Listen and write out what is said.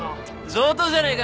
上等じゃねえか！